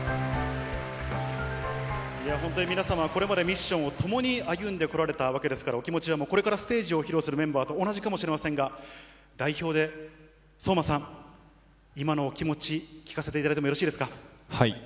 本当に皆さんはこれまでミッションを共に歩んでこられたわけですから、お気持ちは、これからステージを披露するメンバーと同じかもしれませんが、代表で、ソウマさん、今のお気持ち、聞かせていただいてもよろしいですか。